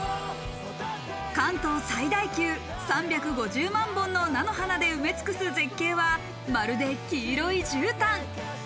関東最大級、３５０万本の菜の花で埋め尽くす絶景はまるで黄色いじゅうたん。